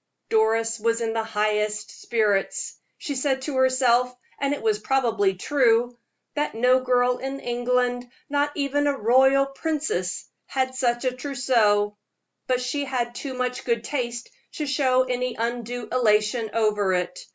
Doris was in the highest spirits. She said to herself and it was probably true that no girl in England, not even a royal princess, had such a trousseau; but she had too much good taste to show any undue elation over it.